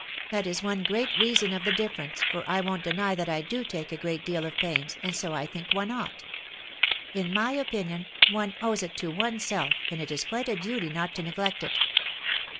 That is one great reason of the difference, for I won't deny that I do take a great deal of pains, and so I think one ought. In my opinion one owes it to oneself, and it is quite a duty not to neglect it."